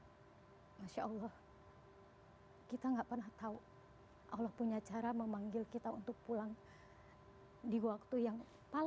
itu yang bikin saya masya allah kita tidak pernah tahu allah punya cara memanggil kita untuk pulang di waktu yang terakhir